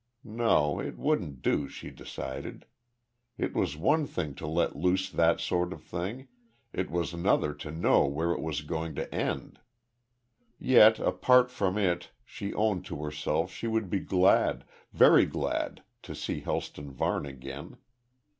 No, it wouldn't do, she decided. It was one thing to let loose that sort of thing, it was another to know where it was going to end. Yet, apart from it, she owned to herself she would be glad, very glad, to see Helston Varne again.